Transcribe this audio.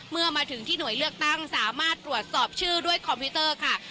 เมื่อมาถึงที่หน่วยเลือกตั้งสามารถตรวจสอบชื่อด้วยคอมพิวเตอร์ค่ะ